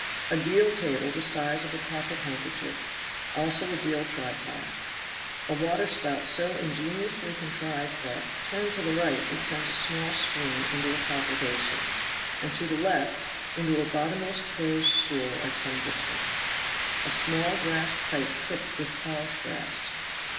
A deal table the size of a pocket handkerchief; also a deal tripod. A waterspout so ingeniously contrived that, turned to the right it sends a small stream into a copper basin, and to the left into a bottomless close stool at some distance. A small gas pipe tipped with polished brass.